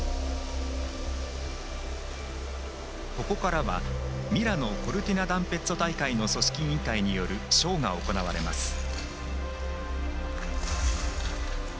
ここからは、ミラノ・コルティナダンペッツォ大会の組織委員会によるショーが行われます。